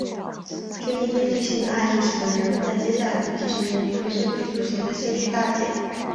这一悲剧性的案例使得人们在接下来的几十年里对身体塑形的兴趣大减。